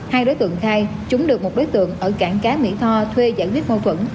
hai đối tượng khai chúng được một đối tượng ở cảng cá mỹ tho thuê giải quyết môi phẩm